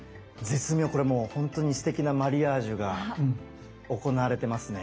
これもう本当にすてきなマリアージュが行われてますね。